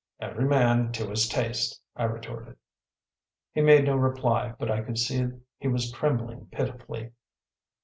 ‚ÄĚ “Every man to his taste,‚ÄĚ I retorted. He made no reply, but I could see he was trembling pitifully.